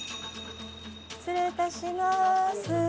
失礼いたします。